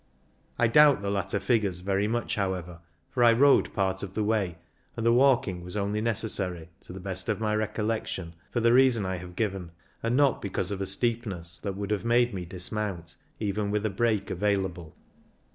I doubt the latter figures very much, however, for I rode part of the way, and the walking was only necessary — to the best of my recollection — for the reason I have given, and not because of a steep ness that would have made me dismount evea with a brake available.